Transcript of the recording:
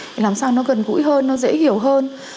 để làm sao nó gần gũi hơn nó dễ hiểu hơn